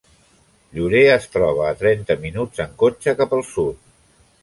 Llorer es troba a trenta minuts en cotxe cap al sud.